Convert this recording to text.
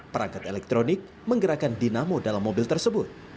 perangkat elektronik menggerakkan dinamo dalam mobil tersebut